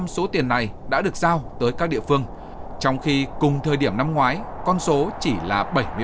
chín mươi bảy số tiền này đã được giao tới các địa phương trong khi cùng thời điểm năm ngoái con số chỉ là bảy mươi ba